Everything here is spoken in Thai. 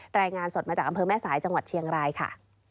รายงานสดมาจากอำเภอแม่สายจังหวัดเชียงรายค่ะ